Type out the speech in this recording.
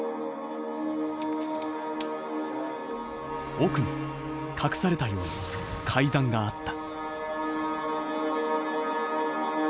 奥に隠されたように階段があった。